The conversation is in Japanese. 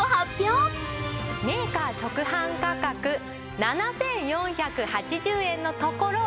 メーカー直販価格７４８０円のところ